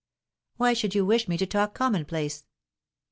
"Why should you wish me to talk commonplace?"